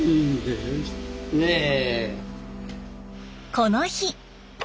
この日。